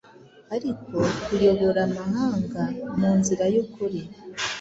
Ariko kuyobora Amahanga munzira yukuri